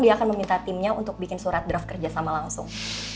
dia akan meminta timnya untuk bikin surat draft kerjasama langsung